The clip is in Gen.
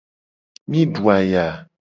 Mi du aya.